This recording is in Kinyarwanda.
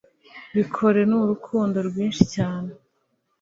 Bikore. N'urukundo rwinshi cyane